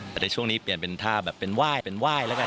แต่ในช่วงนี้เปลี่ยนเป็นท่าแบบเป็นไหว้เป็นไหว้แล้วกัน